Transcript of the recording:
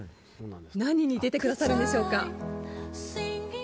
何に出てくださるんでしょうか。